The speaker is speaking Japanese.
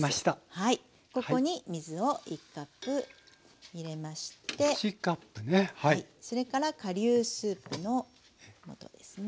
はいここに水を１カップ入れましてそれから顆粒スープの素ですね。